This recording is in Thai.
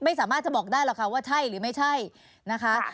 ไม่สามารถจะบอกได้หรอกค่ะว่าใช่หรือไม่ใช่นะคะ